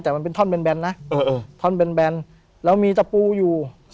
แต่มันเป็นท่อนแบนแบนนะเออเออท่อนแบนแบนแล้วมีตะปูอยู่